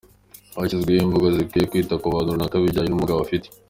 Hashyizweho imvugo zikwiye kwitwa abantu runaka bijyanye n’ubumuga afite .